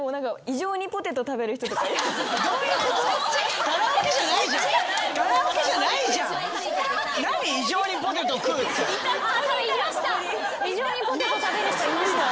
異常にポテト食べる人いました。